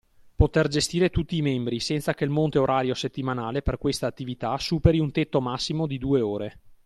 Poter gestire tutti i membri senza che il monte orario settimanale per questa attività superi un tetto massimo di due ore.